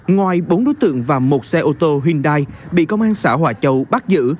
ngoài bốn đối tượng và một xe ô tô hyundai bị công an xã hòa châu bắt giữ